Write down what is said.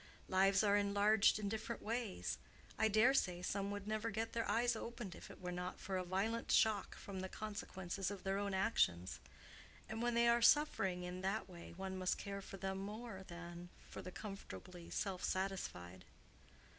Lives are enlarged in different ways. I dare say some would never get their eyes opened if it were not for a violent shock from the consequences of their own actions. And when they are suffering in that way one must care for them more than for the comfortably self satisfied."